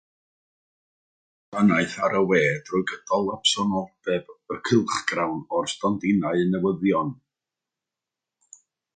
Parhaodd y gwasanaeth ar y we trwy gydol absenoldeb y cylchgrawn o'r stondinau newyddion.